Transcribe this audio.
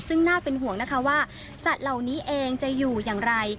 ซึ่งน่าเป็นห่วงนะคะว่าสัตว์เหล่านี้เองจะอยู่อย่างไร